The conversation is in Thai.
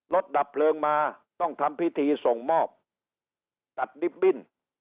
ดับเพลิงมาต้องทำพิธีส่งมอบตัดดิบบิ้น